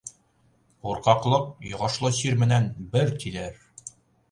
Ҡурҡаҡлыҡ йоғошло сир менән бер тиҙәр.